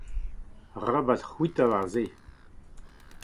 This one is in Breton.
Arabat c'hwitañ war se.